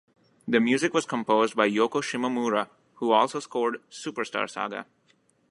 The music was composed by Yoko Shimomura, who also scored "Superstar Saga".